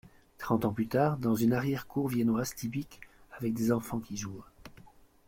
Trente ans plus tard, dans une arrière-cour viennoise typique avec des enfants qui jouent.